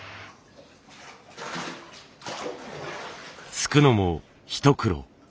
すくのも一苦労。